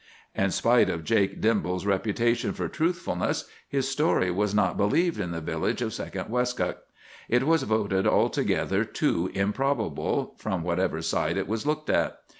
"In spite of Jake Dimball's reputation for truthfulness, his story was not believed in the village of Second Westcock. It was voted altogether too improbable, from whatever side it was looked at.